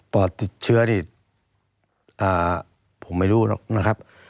ปอดติดเชื้อนี่ผมไม่รู้หรอกนะครับ